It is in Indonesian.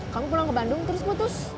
kamu pulang ke bandung terus putus